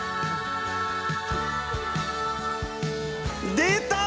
出た！